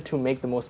bukan untuk membuat